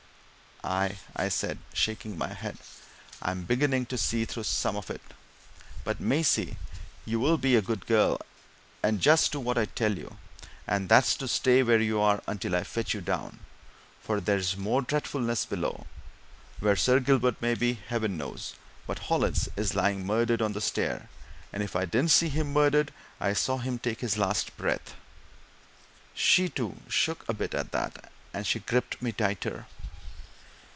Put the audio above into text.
"Aye!" I said, shaking my head. "I'm beginning to see through some of it! But, Maisie, you'll be a good girl, and just do what I tell you? and that's to stay where you are until I fetch you down. For there's more dreadfulness below where Sir Gilbert may be, Heaven knows, but Hollins is lying murdered on the stair; and if I didn't see him murdered, I saw him take his last breath!" She, too, shook a bit at that, and she gripped me tighter.